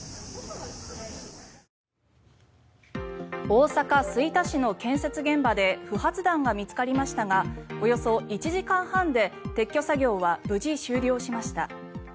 大阪・吹田市の建設現場で不発弾が見つかりましたがおよそ１時間半で撤去作業は無事終了しました。